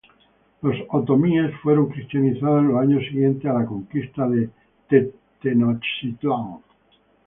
Los otomíes fueron cristianizados en los años siguientes a la Conquista de Tenochtitlán.